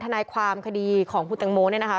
ทนายความคดีของคุณตังโมเนี่ยนะคะ